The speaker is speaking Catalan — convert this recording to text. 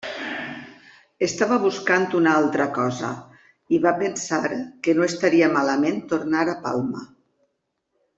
Estava buscant una altra cosa i va pensar que no estaria malament tornar a Palma.